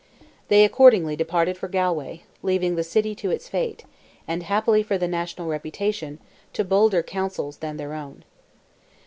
They accordingly departed for Galway, leaving the city to its fate, and, happily for the national reputation, to bolder counsels than their own.